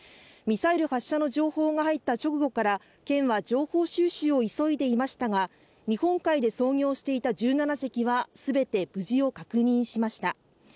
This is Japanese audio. ミサイル発射の情報が入った直後から県は情報収集を急いでいましたが、日本海で操業していた１７隻は全て無事を確認しました。